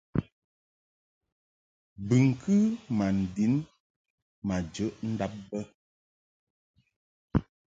Bɨŋkɨ ma ndin ma jəʼ ndab bə.